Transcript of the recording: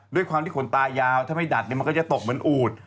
ด้วยความที่ขนตายาวถ้าไม่ดัดมันก็จะตกเหมือนอูด